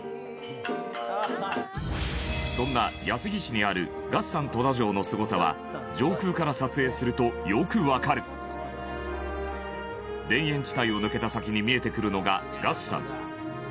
そんな、安来市にある月山富田城のすごさは上空から撮影するとよくわかる田園地帯を抜けた先に見えてくるのが月山